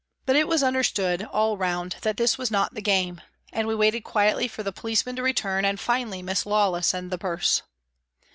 But it was understood all round that this was not the game, and we waited quietly for the policeman to return and, finally, Miss Lawless and the purse.